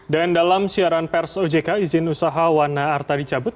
dan dalam siaran pers ojk izin usaha wana arta dicabut